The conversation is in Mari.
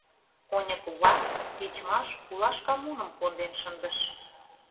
Оньыкува тичмаш пулашкамуным конден шындыш.